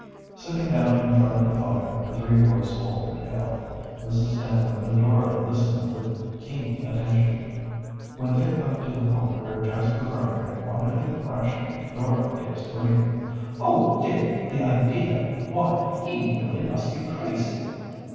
Sitting down in front of the fire the three boys told their tale, Mrs. Stanhope and Dora listening with keen attention. When Dick got to the point where Jasper Grinder had wanted to thrash him Dora gave a scream. "Oh, Dick, the idea! Why, he really must be crazy!"